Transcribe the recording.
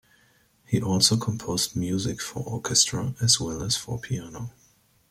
He also composed music for orchestra as well as for piano.